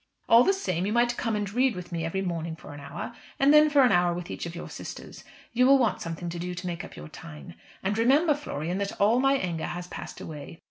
"All the same you might come and read with me every morning for an hour, and then for an hour with each of your sisters. You will want something to do to make up your time. And remember, Florian, that all my anger has passed away.